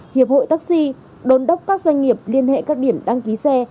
hiệp hội taxi đôn đốc các doanh nghiệp liên hệ các điểm đăng ký xe